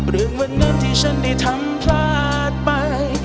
เรื่องวันนั้นที่ฉันได้ทำพลาดไป